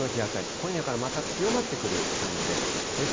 今夜からまた強まってくる感じです。